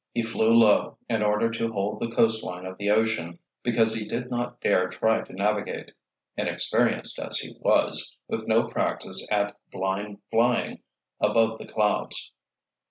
He flew low, in order to hold the coastline of the ocean, because he did not dare try to navigate, inexperienced as he was, with no practice at "blind flying" above the clouds.